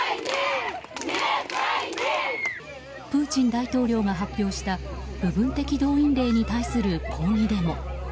プーチン大統領が発表した部分的動員令に対する抗議デモ。